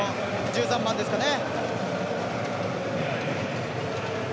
１３番ですかね。